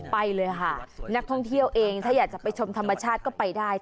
ไปเลยค่ะนักท่องเที่ยวเองถ้าอยากจะไปชมธรรมชาติก็ไปได้